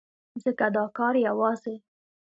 ځکه دا کار يوازې